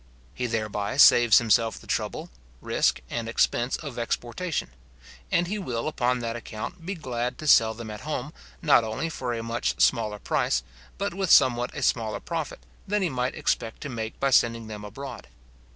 He thereby saves himself the trouble, risk, and expense of exportation; and he will upon that account be glad to sell them at home, not only for a much smaller price, but with somewhat a smaller profit, than he might expect to make by sending them abroad.